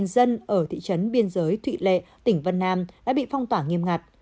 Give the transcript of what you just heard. hai trăm linh dân ở thị trấn biên giới thụy lệ tỉnh vân nam đã bị phong tỏa nghiêm ngặt